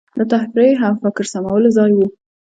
د تفریح او فکر سمولو ځای وو.